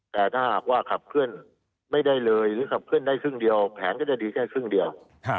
แต่ถ้าหากว่าขับเคลื่อนไม่ได้เลยหรือขับเคลื่อนได้ครึ่งเดียวแผนก็จะดีแค่ครึ่งเดียว